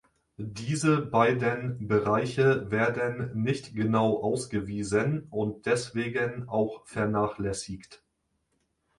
Diese beiden Bereiche werden nicht genau ausgewiesen und deswegen auch vernachlässigt.